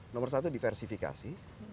nomor satu diversifikasi